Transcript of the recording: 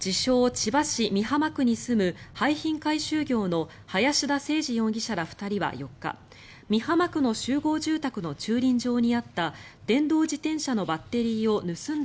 ・千葉市美浜区に住む廃品回収業の林田清司容疑者ら２人は４日美浜区の集合住宅の駐輪場にあった電動自転車のバッテリーを盗んだ